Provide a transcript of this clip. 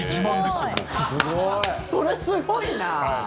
それ、すごいな！